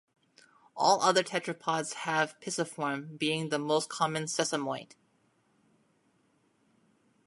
All other tetrapods have pisiform, being the most common sesamoid.